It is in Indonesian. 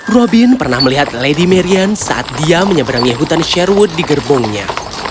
robin pernah melihat lady marian saat dia menyeberangi hutan sherwood di gerbongnya